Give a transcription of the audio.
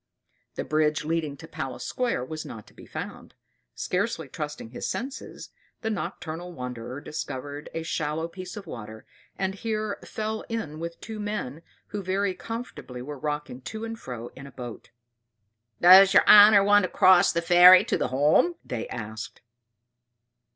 The bridge leading to Palace Square was not to be found; scarcely trusting his senses, the nocturnal wanderer discovered a shallow piece of water, and here fell in with two men who very comfortably were rocking to and fro in a boat. "Does your honor want to cross the ferry to the Holme?" asked they.